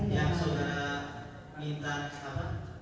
yang saudara minta apa